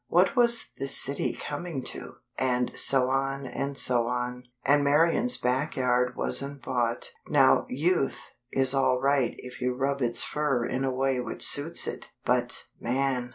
What was this city coming to?" and so on, and so on. And Marian's back yard wasn't bought. Now Youth is all right if you rub its fur in a way which suits it; but, man!!